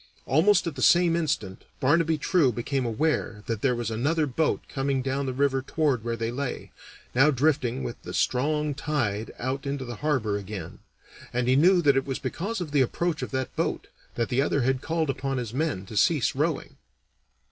Almost at the same instant Barnaby True became aware that there was another boat coming down the river toward where they lay, now drifting with the strong tide out into the harbor again, and he knew that it was because of the approach of that boat that the other had called upon his men to cease rowing.